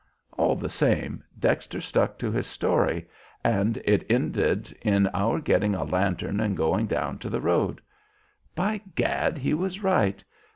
All the same, Dexter stuck to his story, and it ended in our getting a lantern and going down to the road. By Gad! he was right.